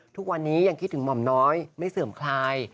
ทุกวันนี้ยังคิดถึงหม่อมน้อยไม่เสื่อมคลาย